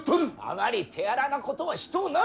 あまり手荒なことはしとうない。